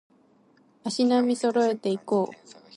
足並み揃えていこう